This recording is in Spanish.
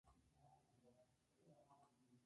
Amplió sus estudios de arte en Pasadena, California.